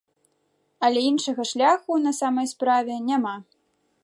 Але іншага шляху, на самай справе, няма.